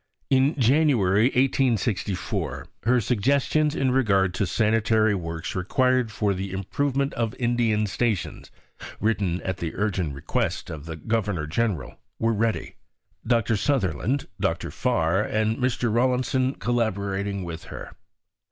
In January 1864 her "Suggestions in regard to Sanitary Works required for the Improvement of Indian Stations," written at the urgent request of the Governor General, were ready, Dr. Sutherland, Dr. Farr, and Mr. Rawlinson collaborating with her.